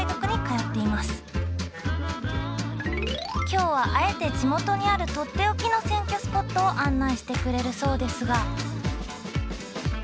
今日はあえて地元にあるとっておきの選挙スポットを案内してくれるそうですが。